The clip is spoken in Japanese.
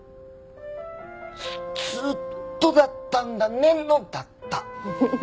「ずーっとだったんだね」の「だった」。